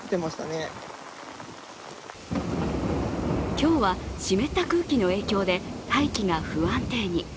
今日は湿った空気の影響で大気が不安定に。